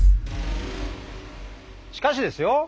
しかしですよ